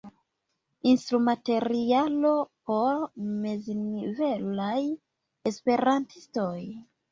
Instrumaterialo por meznivelaj Esperantistoj.